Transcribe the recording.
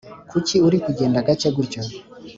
Kuki uri kugenda gake gutyo